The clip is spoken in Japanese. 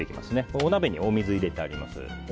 お鍋にお水を入れてあります。